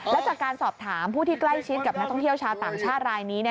และจากการสอบถามผู้ที่ใกล้ชิดกับนักท่องเที่ยวชาวต่างชาติรายนี้